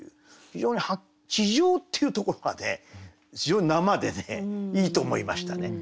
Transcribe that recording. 非常に「地上」っていうところがねいいと思いましたね。